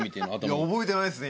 いや覚えてないですね